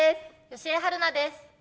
吉江晴菜です。